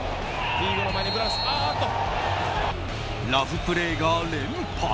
ラフプレーが連発。